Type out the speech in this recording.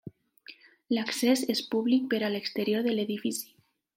L'accés és públic per a l'exterior de l'edifici.